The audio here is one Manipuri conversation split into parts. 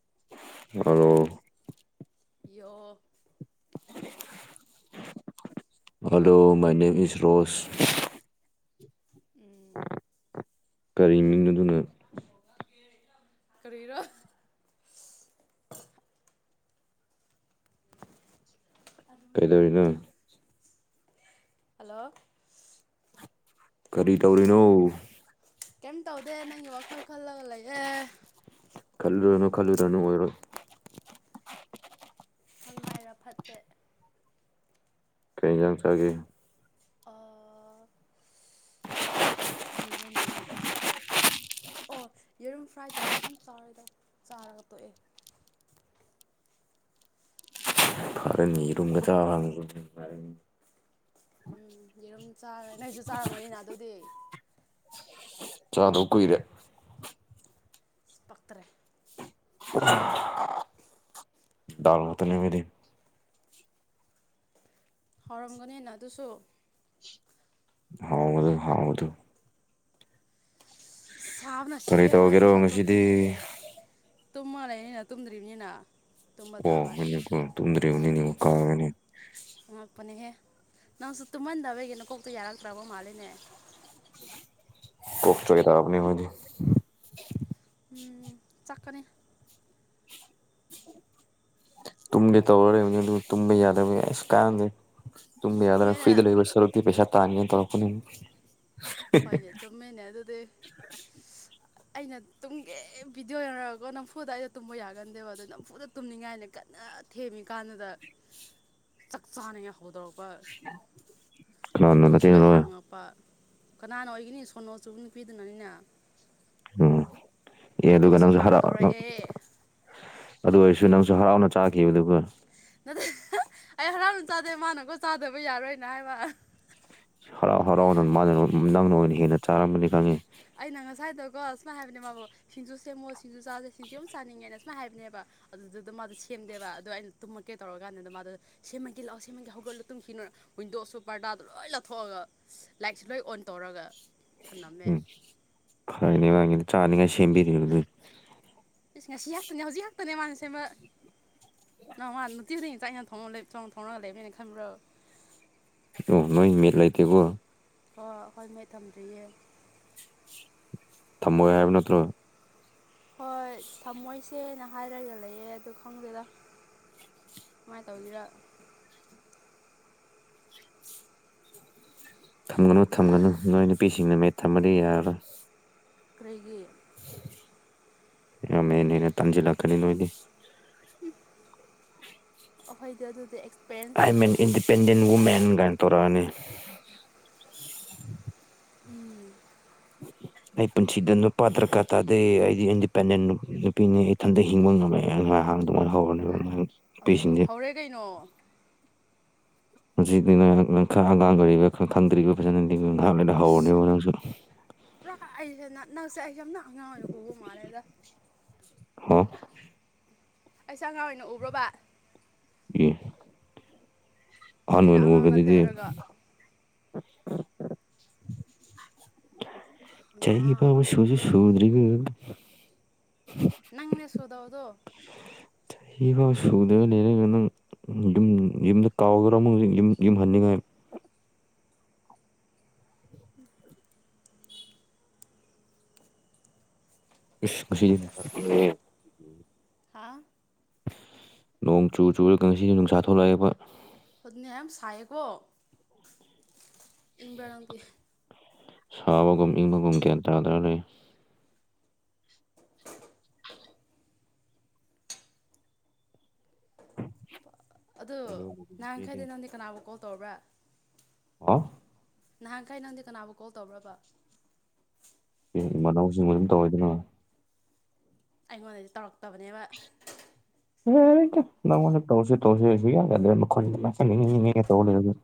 ꯑꯣ ꯌ ꯍꯜꯂꯣ ꯃꯥꯏ ꯅꯅꯤꯝ ꯏꯁ ꯔꯣꯁ ꯎꯝ ꯀꯔꯤꯃꯤꯗꯨꯅ ꯀꯔꯤꯔꯣ ꯀꯩꯗꯧꯔꯤꯅꯣ ꯍꯜꯂꯣ ꯀꯔꯤ ꯇꯧꯔꯤꯅꯣ ꯀꯩꯝ ꯇꯧꯗꯦ ꯅꯪꯒꯤ ꯋꯥꯈꯜ ꯈꯜꯂꯒ ꯂꯩꯑꯦ ꯈꯜꯂꯨꯔꯅꯣ ꯈꯜꯂꯨꯔꯅꯨ ꯑꯣꯏꯔꯣ ꯁꯪ ꯍꯥꯏꯥꯏꯔ ꯐꯠꯇꯦ ꯀꯩ ꯆꯪ ꯆꯒꯦ ꯑꯥ ꯑꯩ ꯑꯩꯅ ꯆꯥꯕꯗꯣ ꯑꯣ ꯌꯦꯔꯨꯝ ꯐ꯭ꯔꯥꯏ ꯇꯧꯔꯒ ꯑꯗꯨꯝ ꯆꯥꯔꯗ ꯆꯥꯔꯒ ꯇꯣꯛꯑꯦ [unintelligible] ꯐꯥꯔꯅꯤꯔꯨꯝꯒꯗ ꯍꯪꯔ ꯎꯝ ꯌꯦꯔꯨꯝ ꯆꯥꯔꯦ ꯅꯣꯏꯁꯨ ꯆꯥꯔꯝꯒꯅꯤꯅ ꯑꯗꯨꯗꯤ ꯆꯥꯗ ꯀꯨꯏꯔꯦ ꯄꯀ꯭ꯔꯦ ꯗꯔꯃꯠꯇ ꯅꯃꯤꯗꯤ ꯍꯥꯎꯔꯝꯒꯅꯦꯅ ꯑꯗꯨꯁꯨ ꯍꯥꯎꯗꯨ ꯍꯥꯎ ꯑꯗꯨ ꯁꯥꯕꯅ ꯀꯔꯤ ꯁꯤꯒꯦ ꯇꯧꯒꯦꯔꯣ ꯉꯁꯤꯗꯤ ꯇꯨꯝ ꯃꯥꯜꯂꯦꯅꯤꯅ ꯇꯨꯝꯗ꯭ꯔꯤꯕꯅꯤꯅ ꯇꯨꯝꯕ ꯇꯥꯕ ꯑꯣꯅꯤ ꯇꯣꯗ꯭ꯔꯤꯅꯤꯅꯤ ꯀꯥꯒꯅꯤꯅꯦ ꯉꯉꯛꯄꯅꯦꯍꯦ ꯅꯪꯁꯨ ꯇꯨꯝꯍꯟꯗꯕꯒꯤꯅ ꯀꯣꯛꯇꯨ ꯌꯥꯔꯛꯇ꯭ꯔꯕ ꯃꯥꯜꯂꯤꯅꯦ ꯀ ꯆ ꯍꯇꯥꯥꯕꯅꯤ ꯍꯧꯖꯤ ꯎꯝ ꯆꯠꯀꯅꯤ ꯇꯨꯡꯗꯦ ꯇꯧꯔꯦꯅꯤ ꯇꯨꯝ ꯌꯥꯗꯁꯨ ꯀꯥꯏꯗꯦ ꯇꯨꯝ ꯌꯥꯎꯗꯅ ꯐꯔꯤ ꯗ ꯃꯤꯅ ꯂ ꯂꯩꯕꯁ ꯁꯔꯛꯇꯤ ꯄꯦꯁꯠ ꯇꯥꯡꯦ ꯇꯔꯣꯅꯤ ꯍꯣꯏꯅꯦ ꯆꯨꯝꯃꯦꯅꯦ ꯑꯗꯨꯗꯤ ꯑꯩꯅ ꯇꯨꯝꯒꯦ ꯕꯤꯗꯤꯑꯣ ꯌꯦꯡꯔꯒꯀꯣ ꯅꯝꯐꯨꯗ ꯑꯩꯅ ꯇꯨꯝꯕ ꯌꯥꯒꯟꯗꯦꯕ ꯑꯗꯨꯗꯣ ꯅꯝꯐꯨꯗ ꯇꯨꯝꯅꯤꯡꯉꯥꯏꯅ ꯀꯟꯅ ꯊꯦꯝꯃꯤꯀꯥꯟꯗꯨꯗ ꯆꯥꯛ ꯆꯥꯅꯉꯍꯧꯗꯧꯔ ꯈꯅ ꯂꯣꯏ ꯊꯅ ꯍꯥꯡꯉꯛꯄ ꯀꯅꯥꯅ ꯑꯣꯏꯒꯅꯤ ꯁꯣꯅꯣ ꯆꯨꯕ ꯅꯨꯄꯤꯗꯨꯅꯅꯤꯅꯦ ꯎꯝ ꯑꯦ ꯑꯗꯨꯒ ꯅꯪꯁꯨ ꯍꯔꯥꯎ ꯍꯥꯡꯗꯣꯔꯛꯑꯦ ꯑꯗꯨ ꯑꯣꯏꯔꯁꯨ ꯅꯪ ꯍꯔꯥꯎꯅ ꯆꯥꯈꯤꯕꯗꯨ ꯅꯠꯇꯦ ꯑꯩ ꯍꯔꯥꯎꯅ ꯆꯥꯗꯦ ꯃꯥꯅꯀꯣ ꯆꯥꯗꯕ ꯌꯥꯔꯣꯏꯅ ꯍꯥꯏꯕ ꯍꯔꯥꯎ ꯍꯔꯥꯎꯅ ꯃꯥꯅ ꯅꯪꯅ ꯑꯣꯏꯅ ꯍꯦꯟꯅ ꯆꯥꯔꯝꯕꯅꯤ ꯈꯪꯉꯤ ꯑꯩꯅ ꯉꯁꯥꯏꯗꯒ ꯁꯨꯃꯥꯏꯅ ꯍꯥꯏꯕꯅꯦ ꯃꯥꯕꯨꯣ ꯁꯤꯡꯖꯨ ꯁꯦꯝꯃꯣ ꯁꯤꯡꯖꯨ ꯆꯥꯁꯦ ꯁꯤꯡꯖꯨ ꯌꯥꯝ ꯆꯥꯅꯤꯡꯉꯦꯅ ꯁꯨꯃꯥꯏꯅ ꯍꯥꯏꯕꯅꯦꯕ ꯑꯗꯨꯗꯨꯗ ꯃꯥꯗꯣ ꯁꯦꯝꯗꯦꯕ ꯑꯗꯣ ꯑꯩꯅ ꯇꯨꯝꯃꯛꯀꯦ ꯇꯧꯔ ꯀꯥꯟꯗꯨꯗ ꯃꯥꯗꯣ ꯁꯦꯝꯃꯒ ꯂꯥꯛꯑꯣ ꯁꯦꯝꯃꯒꯦ ꯍꯧꯒꯠꯂꯣ ꯇꯨꯝꯈꯤꯅꯣꯏ ꯋꯤꯟꯗꯣꯁꯨ ꯄꯔꯗꯥꯗ ꯂꯣꯏ ꯂꯧꯥꯊꯣꯛꯑꯒ ꯂꯥꯏꯠꯁꯨ ꯂꯣꯏ ꯑꯣꯟ ꯇꯧꯔꯒ ꯊꯝꯂꯝꯝꯃꯦ ꯐꯥꯏꯅꯦꯤ ꯆꯥꯅꯤꯉꯥꯏ ꯁꯦꯝ ꯁꯦꯝꯕꯤꯅꯤꯔ ꯁ ꯉꯁꯤ ꯍꯥꯛꯇꯅꯦ ꯍꯧꯖꯤꯛ ꯍꯥꯛꯇꯅꯦ ꯃꯥꯅ ꯁꯦꯝꯕ ꯅ ꯃꯥ ꯅꯨꯅꯨꯡꯇꯤꯗꯤ ꯉꯇꯥꯏ ꯊꯣꯡ ꯂꯩ ꯆꯣꯡ ꯊꯣꯡꯉꯥ ꯂꯩꯃꯦꯈꯕ꯭ꯔꯣ ꯎ ꯅꯣꯏ ꯃꯂꯥꯏ ꯇꯒꯣ ꯍ ꯑꯩꯈꯣꯏ ꯃꯩ ꯊꯝꯗ꯭ꯔꯤꯌꯦ ꯊꯝꯃ ꯍꯥꯏꯕ ꯅꯠꯇ꯭ꯔꯣ ꯍꯣꯏ ꯊꯝꯃꯣꯏꯁꯦꯅ ꯍꯥꯏꯔꯒ ꯂꯩꯌꯦꯦ ꯑꯗꯨ ꯈꯪꯗꯦꯗ ꯃꯥꯥꯏ ꯇꯧꯖꯔ ꯊꯝꯒꯅꯨ ꯊꯝꯒꯅꯨ ꯅꯣꯏ ꯅꯨꯄꯤꯁꯤꯡꯅ ꯃꯠ ꯊꯝꯃꯗꯤ ꯌꯥꯔꯣꯏ ꯑꯩꯈꯒꯤ ꯃꯅꯤꯅꯦ ꯄ ꯂꯈꯅꯤ ꯂꯣꯏꯣꯏ ꯎꯝ ꯑꯩꯈꯣꯏꯗ ꯑꯗꯨꯗꯤ ꯑꯦꯛꯁꯄꯤꯔꯤꯌꯦꯟꯁ ꯑꯥꯏ ꯃꯦꯟ ꯂꯩꯈ꯭ꯔꯕꯅꯦ ꯏꯟꯗꯤꯄꯦꯟꯗꯦꯟ ꯋꯨꯃꯦꯟ ꯀꯥꯏ ꯇꯧꯔꯛꯑꯅꯤ ꯎꯝ [inaudible] [unintelligible] ꯑꯩ ꯄꯨꯟꯁꯤꯗ ꯅꯨꯄꯥ ꯗꯔꯀꯥꯔ ꯇꯥꯗꯦ ꯑꯩꯗꯤ ꯏꯟꯗꯤꯄꯦꯟꯗꯦꯟ ꯅꯨꯄꯤꯅꯤ ꯏꯊꯟꯇ ꯍꯤꯡꯕ ꯉꯝꯃꯦ ꯉ ꯑꯥꯡꯗ ꯍꯔꯅꯤ ꯑꯗꯣ ꯍꯧꯔꯦ ꯀꯩꯅꯣ ꯍꯧꯖꯤꯛ ꯅꯪ ꯈꯔ ꯑꯉꯥꯡ ꯑꯣꯏꯔꯤꯕ ꯈꯔ ꯈꯪꯗ꯭ꯔꯤꯕ ꯐꯖꯅ ꯉꯍꯥꯛꯂꯅ ꯍꯧꯔꯅꯦꯕ ꯅꯪꯁꯨ ꯌꯥꯝ ꯑꯉ ꯑꯣ ꯃꯥꯔꯦꯗ ꯍꯥꯥ ꯑꯩꯁꯦ ꯑꯉꯥꯡ ꯑꯣꯏꯅ ꯎꯕ꯭ꯔꯕ ꯌꯦ ꯃꯤ ꯑꯣꯏꯅ ꯑꯉꯥꯡ ꯑꯅꯅꯒ ꯅꯠꯇꯦ ꯑꯗꯨꯗꯤ ꯍꯥꯏꯔꯒ ꯆꯥꯏꯒꯤ ꯄ ꯑꯉꯥꯡ ꯁ ꯑꯉꯥꯡ ꯁꯨꯗ꯭ꯔꯔꯤꯕ ꯅꯪꯅꯦ ꯁꯗꯥꯧꯗꯣ ꯆꯍꯤ ꯐꯥꯎ ꯁꯨꯗ꯭ꯔꯒ ꯂꯩꯔ ꯅꯪ ꯌꯨꯝ ꯌꯨꯝꯗ ꯀꯥꯎꯈ꯭ꯔꯣ ꯑꯃ ꯌꯨꯝ ꯌꯨꯝ ꯍꯟꯅꯤꯡꯉꯥꯏ [inaudible] [unintelligible] ꯎꯝ ꯈꯨ ꯈꯁꯤ ꯍꯥ ꯅꯣꯡ ꯆꯨ ꯆꯨꯔꯒ ꯉꯁꯤꯁꯨ ꯅꯨꯡꯁꯥ ꯊꯣꯛꯂꯛꯑꯦꯕ ꯑꯗꯨꯗꯤꯅꯤ ꯌꯥꯝ ꯁꯥꯏꯌꯦꯀꯣ ꯏꯪꯕ꯭ꯔꯥ ꯅꯪꯗꯤꯦ ꯁꯥꯕꯒꯨꯝ ꯏꯪꯕꯒꯨꯝ ꯒ꯭ꯌꯥꯟ ꯇꯥꯗ ꯂꯩ [inaudible] [unintelligible] ꯑꯗꯨ ꯅꯍꯥꯟ ꯈꯩꯗꯤ ꯅꯪꯗꯤ ꯀꯅꯥꯕꯨ ꯀꯣꯜ ꯇꯔꯕ꯭ꯔꯥ ꯍꯥ ꯅꯍꯥꯟꯈꯥꯏ ꯅꯪꯗꯤ ꯀꯅꯥꯕꯨ ꯀꯣꯜ ꯇꯧ꯭ꯔꯕ ꯑꯦ ꯏꯃꯅꯥꯎꯁꯤꯡꯕ ꯑꯗꯨꯝ ꯇꯧꯋꯏꯗꯅ ꯑꯩꯉꯣꯟꯗꯗꯤ ꯇꯧꯔꯛꯇꯕꯅꯦꯕ ꯇꯣꯁꯤ ꯇꯣ ꯀ ꯇꯣ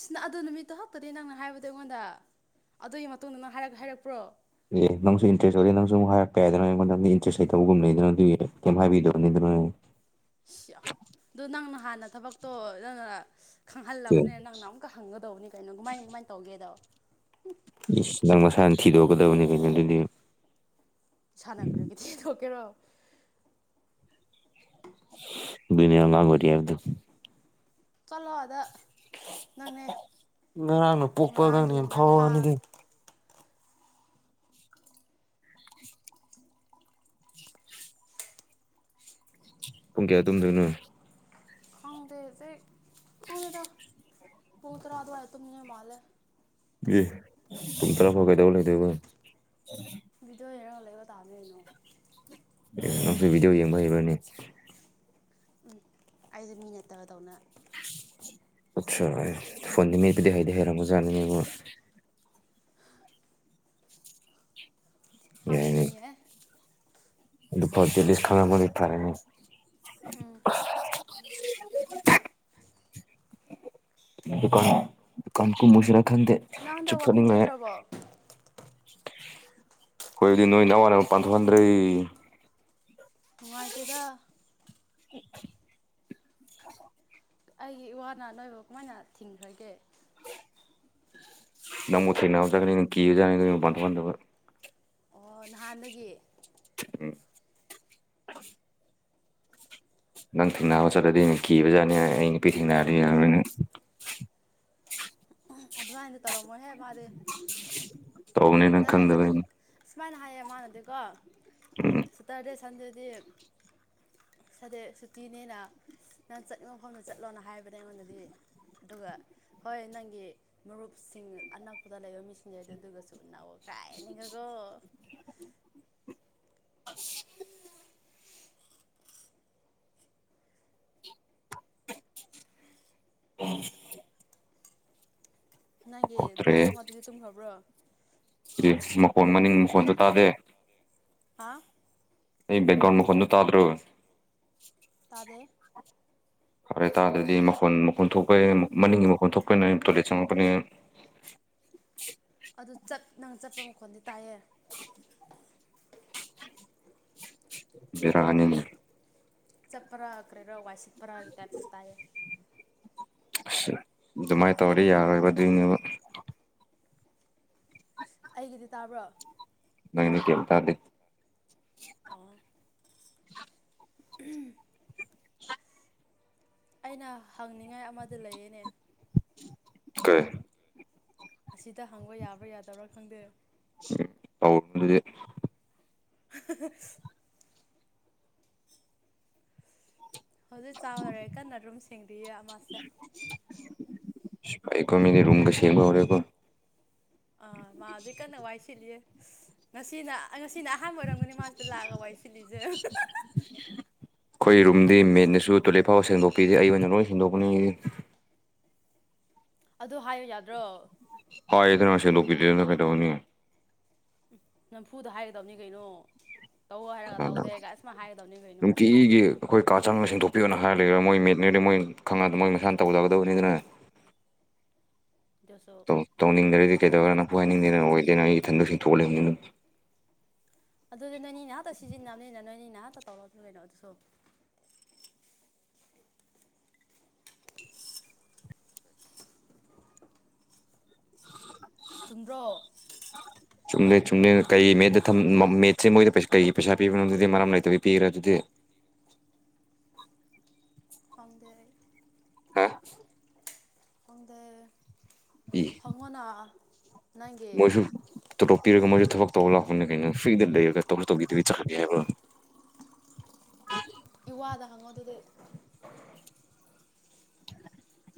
ꯁꯤꯅ ꯑꯗꯨ ꯅꯨꯃꯤꯠꯇꯨ ꯈꯛꯇꯗꯤ ꯅꯪꯅ ꯍꯥꯏꯕꯗ ꯑꯩꯉꯣꯟꯗ ꯑꯗꯨꯒꯤ ꯃꯇꯨꯡꯗ ꯅꯪꯔ ꯍꯥꯏꯔꯛꯄ꯭ꯔꯣ ꯑꯦ ꯅꯪꯁꯨ ꯏꯟꯇꯔꯦꯁ ꯑꯣꯏꯔꯦ ꯅꯪꯁꯨ ꯑꯃꯨꯛ ꯍꯥꯏꯔꯛꯄ ꯌꯥꯗꯅꯣꯣꯟ ꯅꯪꯗꯤ ꯏꯟꯇꯔꯦꯁ ꯍꯩꯇꯧꯕꯒꯨꯝ ꯂꯩꯗꯅ ꯑꯗꯨꯒꯤ ꯀꯩꯝ ꯍꯥꯏꯕꯤꯗꯅꯤ ꯑꯗꯨꯅ [inaudible] [unintelligible] ꯁꯤꯌꯥ ꯑꯗꯣ ꯅꯪꯅ ꯍꯥꯟꯅ ꯊꯕꯛꯇꯣ ꯅꯅ ꯑꯩ꯫ ꯈꯪꯍꯜꯂꯛꯄꯅꯤꯅ ꯅꯪꯅ ꯑꯃꯨꯛꯀ ꯍꯪꯒꯗꯧꯕꯅꯤ ꯀꯩꯅꯣ ꯀꯃꯥꯏ ꯀꯃꯥꯏꯅ ꯇꯧꯒꯦꯗꯣ ꯅꯪ ꯃꯁꯥꯅ ꯊꯤꯗꯣꯛꯀꯗꯕꯅꯤ ꯀꯩꯅ ꯑꯗꯨꯗꯤ ꯁꯅ ꯀꯔꯦꯒ ꯊꯀꯦꯔꯣ ꯕꯤꯅꯔ ꯑꯣꯏ ꯍꯥꯏꯗ ꯆꯂꯣ ꯑꯗ ꯅꯪꯅꯦ ꯉꯔꯥꯡꯅ ꯄꯣꯛꯄꯒꯅꯤ ꯉꯔꯥꯡꯒꯤ ꯉꯥꯈꯥ ꯊꯋꯥꯅꯤꯗꯤ ꯄꯨꯡ ꯀꯌꯥ ꯑꯗꯨꯝꯗꯣꯏꯅꯣ ꯈꯥꯗꯁ ꯈꯗꯗ ꯄꯨꯣ ꯇ ꯔꯥꯗꯋꯥ ꯇꯨꯝꯃꯤꯅ ꯃꯜꯂꯦ ꯄꯨ ꯇꯔ ꯐ ꯀꯥꯏꯗꯧꯕ ꯂꯩꯗꯕ ꯇꯕ ꯇꯥꯉꯅꯣ ꯁꯨꯕꯤꯗꯤꯑꯣ ꯌꯦꯡꯕꯕꯅꯤ ꯎꯝ ꯑꯩꯁꯦ ꯃꯤ ꯅꯠꯇꯕꯗꯧꯅ ꯑꯠꯆꯥ ꯐꯣꯟꯗꯤꯃꯤ ꯗꯦꯍꯥꯏꯗꯦ ꯍꯦꯔꯃꯣꯖꯥꯅꯦ ꯃ ꯍꯥꯠ ꯌꯥꯏꯅꯦ ꯀꯅꯤ ꯍꯥꯏ ꯑꯗꯨ ꯐꯁꯀꯥꯎ ꯏꯇꯥꯔꯦ [unintelligible] ꯎꯝ ꯥꯟ ꯗꯨꯀꯥꯟ ꯀ ꯃꯁꯤꯔꯥ ꯈꯪꯗ ꯅꯪ ꯍꯟꯗꯛ ꯆꯨꯞꯨꯞ ꯆꯥꯅꯤꯡ ꯋꯥꯛꯀꯤꯡ ꯂꯩ ꯆꯠꯇ꯭ꯔꯕꯣ ꯀꯣꯏ ꯅꯣꯏ ꯅꯋꯥꯅꯦ ꯄꯊ ꯄꯟꯗ꯭ꯔ ꯅꯨꯡꯉꯥꯏꯇꯦꯗ [unintelligible] [unintelligible] [unintelligible] ꯑꯩꯒꯤ ꯏ ꯋꯥꯅꯥ ꯅꯣꯏꯐ ꯀꯃꯥꯏꯅ ꯊꯤꯡꯈ꯭ꯔꯒꯦ ꯅꯣꯡ ꯃꯨ ꯊꯦꯅꯅꯥꯖꯥꯒꯅꯤ ꯀꯤꯖ ꯥꯟꯊꯣꯛꯥꯟꯖꯕ ꯑꯣ ꯅꯍꯥꯟꯗꯒꯤ ꯅꯪ ꯊꯦꯡꯅꯥꯕ ꯆꯠꯂꯗꯤ ꯅꯪ ꯀꯤꯕꯖꯥꯠꯅꯤ ꯑꯩ ꯅꯨꯄꯤ ꯊꯦꯡꯅꯔꯗꯤ ꯌꯥꯣꯏꯅꯪ ꯑꯗꯨꯃꯥꯏꯅ ꯇꯧꯔꯝꯃꯣꯏ ꯍꯦ ꯃꯥ ꯇꯧꯅꯤ ꯅꯪ ꯆꯠ ꯈꯪꯗꯕꯅꯤꯩꯅ ꯁꯨꯃꯥꯏꯅ ꯍꯥꯏꯌꯦ ꯃꯥꯅꯗꯤꯀꯣ ꯎꯝ ꯁꯇꯔꯗꯦ ꯁꯟꯗꯦꯗꯤ ꯁꯗꯦꯛ ꯁꯨꯇꯤꯅꯦꯅ ꯅꯪ ꯆꯠꯅꯤꯡꯕꯐꯝꯗ ꯆꯠꯂꯣꯅ ꯍꯥꯏꯕꯅꯦ ꯑꯩꯉꯣꯟꯗꯗꯤ ꯑꯗꯨꯒ ꯍꯣꯏ ꯅꯪꯒꯤ ꯃꯔꯨꯞꯁꯤꯡ ꯑꯅꯛꯄꯗ ꯂꯩꯕ ꯃꯤꯁꯤꯡꯖꯩꯗ ꯑꯗꯨꯒꯁꯨ ꯀꯥꯏꯅꯤꯒꯀꯣ ꯑ ꯎ ꯅꯪꯒꯤ ꯗꯣꯁ ꯑꯃꯗꯤ ꯇꯨꯝꯈ꯭ꯔꯕ꯭ꯔꯣ ꯁꯤ ꯃꯈꯣꯟ ꯃꯅꯤꯡ ꯃꯈꯣꯟꯁꯨ ꯇꯥꯗꯦ ꯑꯥ ꯑꯩ ꯦꯛꯦꯛꯒ꯭ꯔꯥꯎꯟ ꯃꯛꯣꯟꯟ ꯇꯗ꯭ꯔꯣ ꯑꯗꯦ ꯐꯔꯇꯥꯔꯗꯗꯤ ꯃꯈꯣꯟ ꯃꯈꯣꯟ ꯊꯣꯛꯄꯩ ꯃꯅꯤꯡꯒꯤ ꯃꯈꯣꯟ ꯊꯣꯛꯄꯅꯝ ꯇꯣꯏꯂꯦꯠ ꯆꯪꯉꯛꯄꯅꯦ [unintelligible] ꯑꯗꯨ ꯆꯠ ꯅꯪ ꯆꯠꯄ ꯃꯈꯣꯟꯗꯤ ꯇꯥꯏꯌꯦ ꯔꯅꯤꯅꯦ ꯆꯠꯄꯔ ꯑꯀꯔꯦ ꯔꯧ ꯋꯥ ꯁꯤꯠꯄ꯭ꯔ ꯏ ꯇꯔ ꯆꯁ ꯇꯥꯏꯌꯦ ꯑꯁ ꯑꯗꯨꯃꯥꯏꯅ ꯇꯧꯗꯤ ꯌꯥꯔꯣꯏꯕ ꯑꯗꯨꯏꯅꯦꯕ ꯑꯩꯒꯤꯗꯤ ꯇꯥꯕ꯭ꯔꯣ ꯅꯪꯅꯦ ꯀꯦꯇꯗꯦ [unintelligible] ꯎꯝ ꯑꯩꯅ ꯍꯪꯅꯤꯡꯉꯥꯏ ꯑꯃꯗ ꯂꯩꯌꯦꯅꯦ ꯀꯥꯏꯦ ꯑꯁꯤꯗ ꯍꯪꯕ ꯌꯥꯕ꯭ꯔꯥ ꯌꯥꯗꯕ꯭ꯔꯥ ꯈꯪꯗꯦ ꯇꯧꯗꯤꯦ [unintelligible] ꯍꯧꯖꯤꯛ ꯆꯥꯎꯗꯔꯦ ꯀꯟꯅ ꯑꯗꯨꯨꯝ ꯁꯦꯡꯗꯤꯌꯦ ꯃꯥꯁꯦ ꯑꯩꯀꯣ ꯃꯦꯅꯦ ꯔꯨꯨꯝ ꯀꯩ ꯁꯕ ꯑꯣꯏꯔꯦꯀꯣ ꯑꯥ ꯃꯥꯖꯤ ꯀꯟꯅ ꯋꯥꯏ ꯁꯤꯜꯂꯤꯌꯦ ꯉꯁꯤꯅ ꯉꯁꯤꯅ ꯑꯍꯥꯟꯕ ꯑꯣꯏꯔꯝꯗꯅꯤ ꯃꯥꯁꯤꯗ ꯂꯥꯛꯂ ꯋꯥꯏ ꯁꯤꯜꯂꯤꯁꯦ ꯑꯩꯈꯣꯏ ꯔꯨꯝꯗꯤ ꯃꯦꯠꯅꯁꯨ ꯇꯣꯏꯂꯦꯠ ꯐꯥꯎꯕ ꯁꯦꯡꯗꯣꯛꯄꯤꯗꯦ ꯑꯩ ꯑꯣꯏꯅ ꯂꯣꯏ ꯁꯦꯡꯗꯣꯛꯄꯅꯤ ꯑꯗꯨ ꯍꯥꯏꯌꯣ ꯌꯥꯗ꯭ꯔꯣ ꯍ ꯏꯗꯅꯁꯦꯂ ꯀꯇꯅꯤ ꯅꯝꯐꯨꯗ ꯍꯥꯏꯒꯗꯕꯅꯤ ꯀꯩꯅꯣ ꯇꯧ ꯍꯥꯏꯔꯒ ꯇꯧꯗꯦꯒ ꯑꯁꯨꯃꯥꯏ ꯍꯥꯏꯒꯗꯕꯅꯤ ꯀꯩꯅꯣ ꯅꯨꯡꯇꯤꯒꯤꯒꯤ ꯑꯩꯈꯣꯏ ꯀꯥ ꯆꯥꯡꯅ ꯁꯦꯡꯗꯣꯛꯄ ꯄꯤꯤꯌꯣꯅ ꯍꯥꯏꯔ ꯂꯩꯒꯔꯥ ꯃꯣꯏ ꯃꯤꯠꯅꯦꯗꯤ ꯃꯣꯏ ꯈꯪꯗ ꯃꯣꯏ ꯃꯁꯥꯅ ꯇꯧꯖꯒꯗꯕꯅꯤ ꯑꯗꯨꯅ ꯑꯗꯨꯁꯨ ꯧ ꯇꯧꯅꯤꯡꯗ꯭ꯔꯗꯤ ꯀꯩꯗꯧꯔꯅ ꯍꯣꯏ ꯍꯥꯏꯅꯤꯡꯗꯦꯅ ꯑꯣꯏꯗꯦꯅ ꯑꯩ ꯏꯊꯟꯗꯁꯨꯁꯤꯡ ꯊꯣꯛꯣꯛꯂꯕꯅꯤꯅ ꯑꯗꯨꯗꯤ ꯅꯣꯏꯅꯤ ꯅꯍꯥꯛꯇ ꯁꯤꯖꯤꯟꯅꯕꯅꯤꯅ ꯅꯣꯏꯅꯤ ꯉꯍꯥꯛ ꯇꯧꯔꯅꯤꯅꯣ ꯑꯗꯨꯁꯨ [inaudible] ꯆꯨꯝꯗ꯭ꯔꯛ ꯁꯨꯝꯅ ꯀꯩ ꯃꯦꯠꯠꯇ ꯃꯦꯠꯁꯦ ꯃꯣꯏꯗ ꯀꯩ ꯄꯩꯁꯥ ꯄꯤꯕꯅꯣ ꯑꯗꯨꯗꯤ ꯃꯔꯝ ꯂꯩꯇꯕꯤ ꯄꯤꯈ꯭ꯔꯦ ꯑꯗꯨꯗꯤ [inaudible] ꯐꯗ ꯍꯥ ꯑꯗ ꯏ ꯍꯪꯅꯥ ꯃꯣꯏꯁꯨ ꯇꯣꯇꯣꯛꯄꯤꯔꯒ ꯃꯣꯏꯁꯨ ꯊꯕꯛ ꯇꯧꯕ ꯂꯥꯛꯄꯅꯤꯅ ꯀꯩꯅꯣ ꯁꯏꯗ ꯂꯩꯔꯒ ꯇꯧꯔ ꯇꯧꯈꯤꯗꯗꯤ ꯑꯦꯕꯨ ꯏ ꯋꯥꯗ ꯍꯪꯉꯣ ꯑꯗꯨꯗꯤ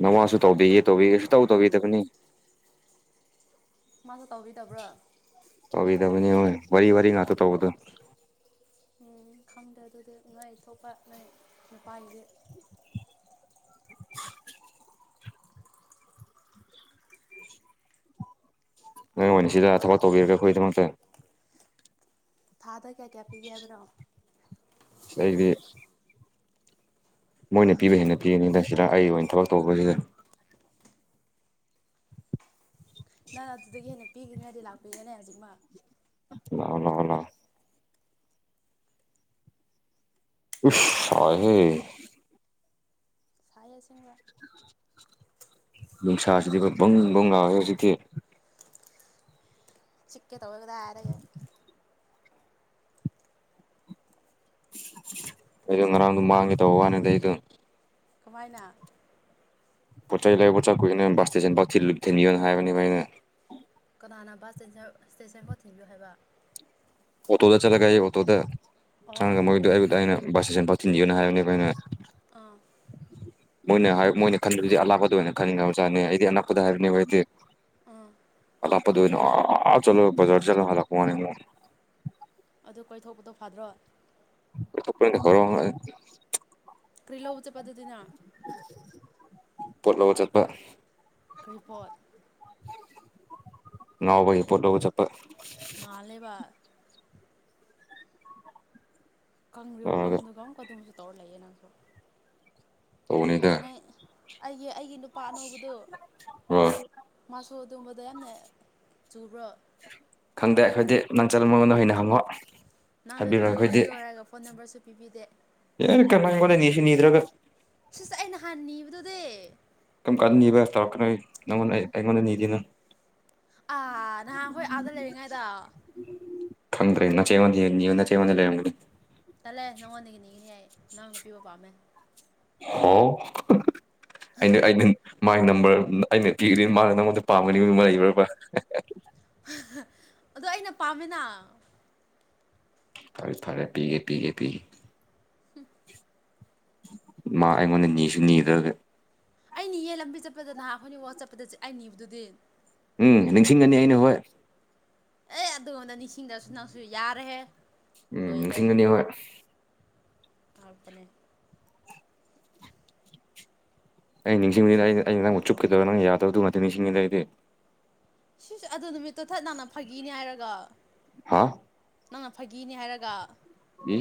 ꯅꯃꯁꯨ ꯇꯧꯕꯤꯒꯦ ꯇꯧꯕꯤꯒꯦ ꯁ ꯇꯧ ꯇꯧꯕꯤꯗꯕꯅꯤ ꯃꯥꯁꯨ ꯇꯧꯕꯤꯗꯕ꯭ꯔꯣ ꯀꯕꯤꯗꯕꯨꯅꯦ ꯋꯥꯔꯤꯔꯤ ꯋꯥꯔꯤꯔꯤ ꯉꯅꯥꯥꯛꯇ ꯇꯧꯗ ꯎ ꯈꯪꯗꯦ ꯑꯗꯨꯗꯤ ꯉꯣꯏ ꯊꯣꯛꯄ ꯅꯣꯏ ꯅꯨꯄꯥꯥꯟꯒꯤ ꯅꯣꯏ ꯑꯣꯏꯅ ꯁꯤꯗ ꯊꯕꯛ ꯇꯧꯕꯤꯔꯒꯦ ꯑꯩꯈꯣꯏꯒꯤꯗꯃꯛꯇ ꯊꯥꯗ ꯀꯌꯥ ꯀꯌꯥ ꯄꯤꯒꯦ ꯍꯥꯏꯕꯅꯣ ꯑꯩꯗꯤ ꯃꯣꯏꯅ ꯄꯤꯕ ꯍꯦꯟꯅ ꯄꯤꯒꯅꯤꯗ ꯁꯤꯗ ꯑꯩ ꯑꯣꯏꯅ ꯊꯕꯛ ꯇꯧꯕꯁꯤꯗ ꯅꯪ ꯑꯗꯨꯗꯒꯤ ꯍꯦꯟꯅ ꯄꯤꯒꯅꯤ ꯍꯥꯏꯗꯤ ꯂꯥꯛꯄꯤꯒꯅꯦ ꯍꯧꯖꯤꯛꯃꯛ ꯂꯑꯣ ꯂꯑꯣ ꯂꯑꯣ ꯏꯁ ꯁꯥꯏꯍꯦ ꯁꯁꯤꯡꯁꯤꯡꯕ ꯅꯨꯡꯁꯥꯁꯤꯗꯤ ꯑꯩꯈꯣꯏ ꯄꯪ ꯄꯕꯨꯡ ꯂꯥꯎꯋꯦ ꯍꯧꯖꯤꯛꯇꯤ ꯆꯤꯦ ꯇꯧ ꯀꯗꯥꯔꯒ ꯑꯩ ꯉ꯭ꯔꯥꯡꯃ ꯍꯦ ꯇ ꯍ ꯋꯥꯅꯤꯗꯥꯏꯗ [unintelligible] ꯀꯃꯥꯏꯅ ꯄꯣ ꯆꯩ ꯂꯩꯕ ꯄꯨꯆꯥ ꯀꯣꯏꯅ ꯁꯇꯦ ꯄꯊꯤ ꯂꯨꯨꯞꯊꯅꯤꯅ ꯍꯥꯏꯕꯣꯏꯅ ꯀꯅꯥꯅ ꯕꯁ ꯏꯁꯇꯦꯟꯁꯟꯐꯥꯎꯠ ꯊꯤꯟꯕꯤꯌꯨ ꯍꯥꯏꯕ ꯑꯣꯇꯣꯗ ꯆꯠꯂꯒ ꯑꯩ ꯑꯣꯇꯣꯗ ꯑꯣ ꯆꯪꯉꯒ ꯃꯣꯏꯗꯨ ꯑꯗ ꯑꯩꯅ ꯕꯁꯇ ꯆꯦꯟ ꯐꯥꯎ ꯊꯤꯟꯁꯤꯌꯅ ꯍꯥꯏꯕꯅꯦꯕ ꯑꯩꯅ ꯑꯥ ꯃꯣꯏꯅ ꯃꯣꯏꯅ ꯈꯟꯕꯗꯤ ꯑꯂꯥꯞꯄꯗ ꯑꯣꯏꯅ ꯈꯟꯅꯤꯡꯉꯕꯖꯥꯠꯅꯤ ꯑꯩꯗꯤ ꯑꯅꯛꯄꯗ ꯍꯥꯏꯕꯅꯤꯗꯤ ꯑꯥ ꯄꯗꯅ ꯑꯥ ꯆꯂꯣ ꯕꯖꯔ ꯆꯒꯦ ꯍꯂꯛ ꯀꯃꯅꯤ ꯑꯗꯨ ꯀꯣꯏꯊꯣꯛꯄꯗꯣ ꯐꯥꯗ꯭ꯔꯣ ꯀ ꯊꯔ [unintelligible] ꯀ꯭ꯔꯤꯂ ꯎ ꯎꯆ ꯄꯊꯇꯅ ꯄꯨꯣꯠ ꯂꯎꯕ ꯆꯠꯄ ꯀ꯭ꯔꯤꯄꯣꯠ ꯉꯕ ꯄꯨꯣꯠꯠꯇ ꯆꯠꯄ ꯃꯥꯜꯂꯦꯕ ꯇꯧꯔꯒ ꯀꯪꯗꯨꯒ ꯑꯃꯨꯛꯀ ꯑꯗꯨꯝꯁꯨ ꯇꯧꯔ ꯂꯩꯌꯦ ꯅꯪꯁꯨ ꯇꯧꯕꯅꯤꯗ ꯅ ꯑꯩꯒꯤ ꯑꯩꯒꯤ ꯅꯨꯄꯥ ꯑꯅꯧꯕꯗꯨ ꯍꯣꯏ ꯁꯣ ꯑꯗꯨꯕꯗ ꯌꯥꯝꯅ ꯆꯨꯕ꯭ꯔꯣ ꯈꯪꯗꯦ ꯑꯩꯈꯣꯏꯗꯤ ꯅꯪ ꯆꯜ ꯃꯉꯣꯟꯗ ꯑꯣꯏꯅ ꯍꯪꯉꯣ ꯅꯍꯥꯟꯅ ꯍꯥꯏꯕꯤꯔꯣ ꯐꯣꯟ ꯅꯝꯕꯔ ꯑꯩꯈꯣꯏꯗꯤ ꯄꯤꯌꯣ ꯍꯥꯏꯔꯒ ꯐꯣꯟ ꯅꯝꯕꯔꯁꯨ ꯄꯤꯕꯤꯗꯦ ꯀ ꯃꯥꯡꯒꯗꯅꯤ ꯁꯤ ꯅꯤꯗ꯭ꯔꯒ ꯁꯤꯁꯦ ꯑꯩꯅꯍꯥꯟ ꯅꯤꯕꯗꯨꯗꯤ ꯀꯔꯝ ꯀꯥꯟꯗ ꯅꯤꯕ ꯇꯧꯔꯛꯀꯅꯣ ꯅꯪꯉꯣꯟꯗ ꯑꯩꯉꯣꯟꯗ ꯅꯤꯗꯅ ꯑ ꯅ ꯍꯣꯏ ꯑꯗꯨ ꯂꯩꯕꯤꯉ ꯑꯗ ꯈꯪ꯭ꯔꯦ ꯏꯅ ꯆꯋꯥꯅꯤ ꯅ ꯆꯕꯟ ꯂꯩꯦꯪꯗꯤ ꯇꯜꯂꯦ ꯅꯪꯉꯣꯟꯗꯒꯤ ꯉꯤꯅꯤ ꯍꯥꯏꯏ ꯅꯪꯅ ꯄꯤꯕ ꯄꯥꯝꯃꯦ ꯍꯥꯎ ꯑꯩꯅ ꯑꯩꯅ ꯃꯥꯒꯤ ꯅꯝꯕꯔ ꯑꯩꯅ ꯄꯤꯒꯅꯤ ꯃꯥꯅ ꯅꯉꯣꯟꯗ ꯄꯥꯝꯒꯅꯤ ꯃꯗꯨꯃ ꯂꯩꯈ꯭ꯔꯕ꯭ꯔ ꯑꯣ ꯑꯩꯅ ꯄꯥꯝꯃꯤꯅ ꯐꯔꯦ ꯐꯔꯦ ꯄꯤꯒꯦ ꯄꯤꯒꯦ ꯄꯤꯦ ꯎꯝ ꯃꯥ ꯑꯩꯉꯣꯟꯗ ꯅꯤꯁꯨ ꯅꯤꯗ꯭ꯔꯒ ꯑꯩ ꯅꯤꯌꯦ ꯂꯝꯕꯤ ꯆꯠꯄꯗ ꯅꯍꯥꯟ ꯑꯩꯈꯣꯏꯅꯤ ꯋ ꯆꯠꯄꯗ ꯑꯩ ꯅꯤꯕꯗꯨꯗꯤ ꯎꯝ ꯅꯤꯡꯁꯤꯡꯒꯅꯤ ꯑꯩꯅ ꯍꯣꯏ ꯑꯦ ꯑꯗꯨꯉꯣꯟꯗ ꯅꯤꯡꯁꯤꯡꯗꯁꯨ ꯅꯪꯁꯨ ꯌꯥꯔꯍꯦ ꯎꯝ ꯂꯤꯁꯤꯡ ꯑꯅꯤ ꯍꯣꯏ ꯑꯅꯦ [unintelligible] ꯑꯩ ꯅꯤꯡꯁꯤꯡꯉ ꯑꯩ ꯑꯩ ꯅꯪꯕꯨ ꯆꯨꯞꯀꯗꯕ ꯅꯪ ꯌꯥꯗꯕꯗꯨ ꯅꯇ ꯅꯤꯡꯁꯤꯡꯉꯗ ꯑꯩꯗꯤ ꯁꯤꯁꯨ ꯑꯗꯨ ꯅꯨꯃꯤꯠꯇꯨ ꯊꯠ ꯅꯥꯟꯅ ꯐꯥꯒꯤꯅꯤ ꯍꯥꯏꯔꯒ ꯍꯥ ꯅꯪꯅ ꯐꯥꯒꯤꯅꯦ ꯍꯥꯏꯔꯒ ꯌꯦ